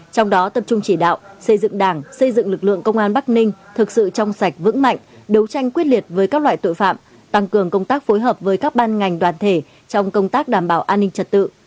trong đó tập trung chỉ đạo xây dựng đảng xây dựng lực lượng công an bắc ninh thực sự trong sạch vững mạnh đấu tranh quyết liệt với các loại tội phạm tăng cường công tác phối hợp với các ban ngành đoàn thể trong công tác đảm bảo an ninh trật tự